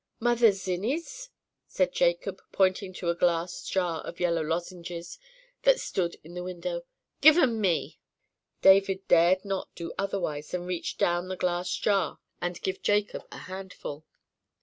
"Mother's zinnies?" said Jacob, pointing to a glass jar of yellow lozenges that stood in the window. "Zive 'em me." David dared not do otherwise than reach down the glass jar and give Jacob a handful.